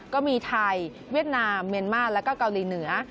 ก็มีไทยเวียดนามเมียนมาร์แล้วก็เกาหลีเหนือ